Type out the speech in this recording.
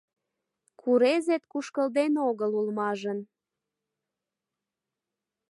Курезет кушкылден огыл улмажын.